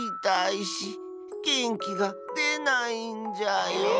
げんきがでないんじゃよ。